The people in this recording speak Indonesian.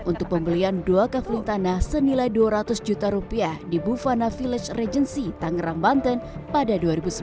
untuk pembelian dua kaveling tanah senilai dua ratus juta rupiah di buvana village regency tangerang banten pada dua ribu sembilan belas